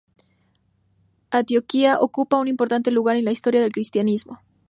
Antioquía ocupa un importante lugar en la historia del cristianismo.